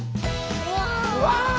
うわ。